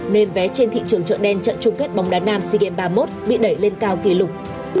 nên vé trên thị trường chợ đen trận chung kết bóng đá nam sea games ba mươi một bị đẩy lên cao kỷ lục